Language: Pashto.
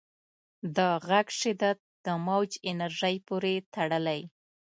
د غږ شدت د موج انرژۍ پورې تړلی.